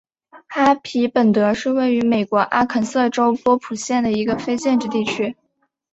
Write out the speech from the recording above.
哈皮本德是位于美国阿肯色州波普县的一个非建制地区。